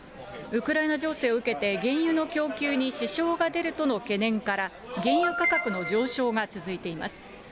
ウクライナ情勢を受けて、原油の供給に支障が出るとの懸念から、原油価格の上昇が続いています。